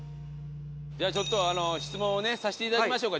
じゃあちょっと質問をねさせて頂きましょうか。